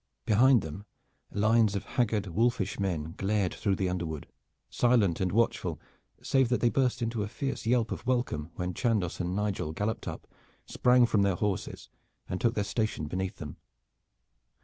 Behind them lines of haggard, wolfish men glared through the underwood, silent and watchful save that they burst into a fierce yelp of welcome when Chandos and Nigel galloped up, sprang from their horses and took their station beneath them.